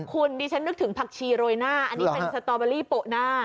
คุณดิฉันนึกถึงผักชีโรยหน้าอันนี้เป็นสตอเบอรี่โปะหน้า